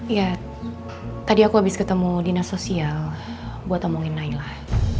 ya tadi aku habis ketemu dinas sosial buat omongin naila